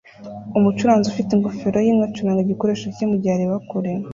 Umucuraranzi ufite ingofero yinka acuranga igikoresho cye mugihe areba kure